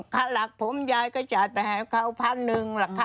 ค่าหลักผมยายก็จ่ายไปให้เขา๑๐๐๐ค่าหลัก